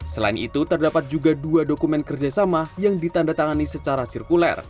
selain itu terdapat juga dua dokumen kerjasama yang ditandatangan indonesia